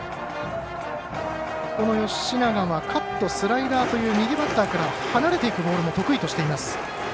吉永はカット、スライダーという右バッターから離れていくボールも得意としています。